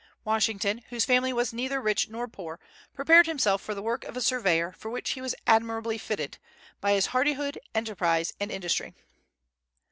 Washington, whose family was neither rich nor poor, prepared himself for the work of a surveyor, for which he was admirably fitted, by his hardihood, enterprise, and industry.